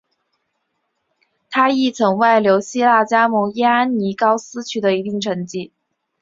他亦曾外流希腊加盟伊安尼高斯取得一定的成绩。